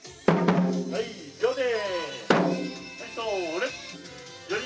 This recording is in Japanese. はい両手。